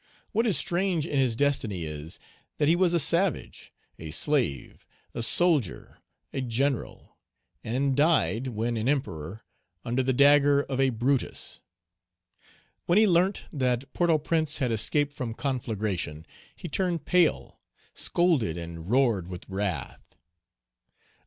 What is strange in his destiny is, that he was a savage, a slave, a soldier, a general, and died, when an emperor, under the dagger of a Brutus. When he learnt that Port au Prince had escaped from conflagration, he turned pale, scolded, and roared with wrath.